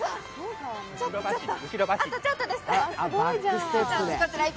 あとちょっとですよ。